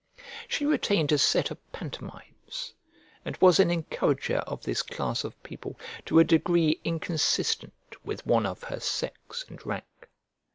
She retained a set of pantomimes, and was an encourager of this class of people to a degree inconsistent with one of her sex and rank.